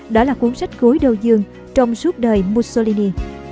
đó là cuốn sách gối đầu dương trong suốt đời mussolini